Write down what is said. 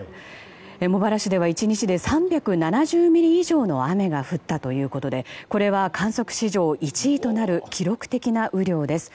茂原市では１日で３７０ミリ以上の雨が降ったということでこれは観測史上１位となる記録的な雨量です。